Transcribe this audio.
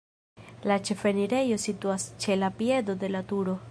La ĉefenirejo situas ĉe la piedo de la turo.